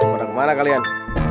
pada kemana kalian